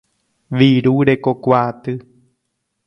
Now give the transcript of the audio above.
Virurekokuaaty.